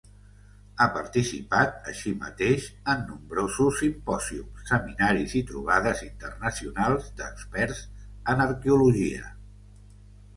Ha participat, així mateix, en nombrosos simpòsiums, seminaris i trobades internacionals d'experts en arqueologia.